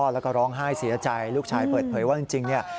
แล้วก็ร้องไห้เสียใจลูกชายเปิดเผยว่าจริงเนี่ย